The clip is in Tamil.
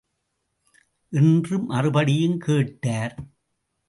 என்று மறுபடியும் கேட்டார்.